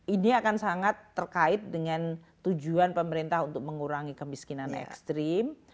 ini akan sangat terkait dengan tujuan pemerintah untuk mengurangi kemiskinan ekstrim